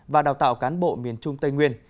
và đào tạo cán bộ miền trung tây nguyên